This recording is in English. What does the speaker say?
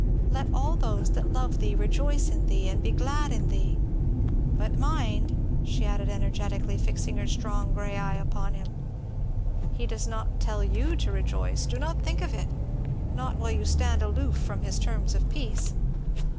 'Let all those that love thee rejoice in thee and be glad in thee!' But mind!" she added energetically, fixing her strong grey eye upon him "he does not tell you to rejoice do not think it not while you stand aloof from his terms of peace.